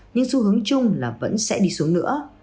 nhưng xu hướng chung là vẫn sẽ đi xuống nữa